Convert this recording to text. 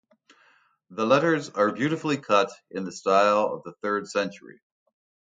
The letters are beautifully cut in the style of the third century.